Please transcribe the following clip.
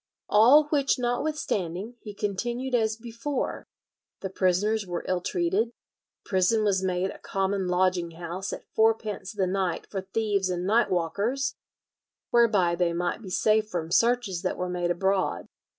"All which notwithstanding, he continued as before: ... the prisoners were ill treated, the prison was made a common lodging house at fourpence the night for thieves and night walkers, whereby they might be safe from searches that were made abroad."